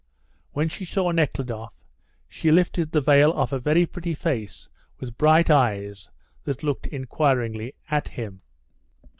When she saw Nekhludoff she lifted the veil off a very pretty face with bright eyes that looked inquiringly at him.